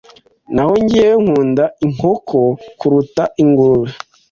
Naho njyewe, nkunda inkoko kuruta ingurube.